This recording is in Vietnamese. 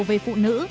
về phụ nữ